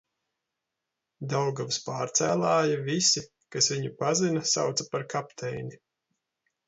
Daugavas pārcēlāju visi, kas viņu pazina, sauca par kapteini.